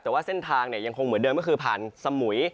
แต่ว่าเส้นทางยังคงเหมือนเดิมก็คือผ่านสมุย